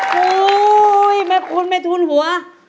เฮ้ยแม่คุณแม่ทุนหัว